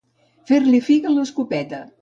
Fer-li figa l'escopeta.